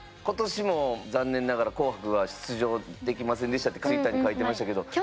「今年も残念ながら『紅白』は出場できませんでした」ってＴｗｉｔｔｅｒに書いてましたけど。